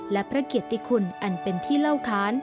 และพระเกียรติคุณอันเป็นที่เล่าค้าน